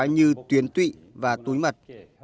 như tuyến tụy và túi mặt